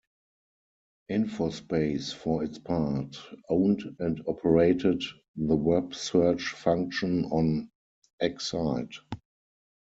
Infospace, for its part, owned and operated the web search function on Excite.